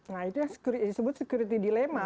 nah itu yang disebut security dilema